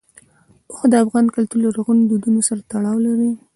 اوښ د افغان کلتور او لرغونو دودونو سره تړاو لري.